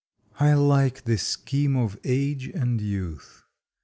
I like the scheme of Age and Youth.